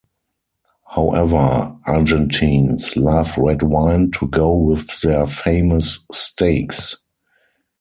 However, Argentines love red wine to go with their famous steaks.